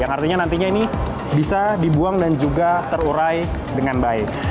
yang artinya nantinya ini bisa dibuang dan juga terurai dengan baik